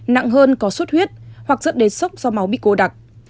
nặng hơn có xuất huyết hoặc dẫn đến sốc do máu bị cố đặc